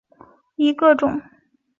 糙臭草为禾本科臭草属下的一个种。